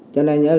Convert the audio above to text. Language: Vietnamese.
cho nên nhớ là